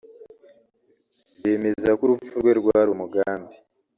bemeza ko urupfu rwe rwari umugambi